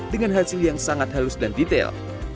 dengan hasil yang sangat halus dan detail